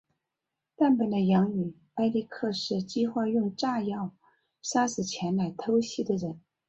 但本的养女艾莉克斯计划用炸药杀死前来偷袭的人。